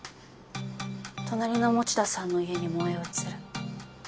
隣の田さんの家に燃え移る。